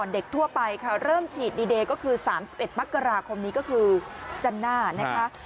เด็กทั่วไปค่ะเริ่มฉีดดีเดย์ก็คือ๓๑มกราคมนี้ก็คือจันทร์หน้านะคะ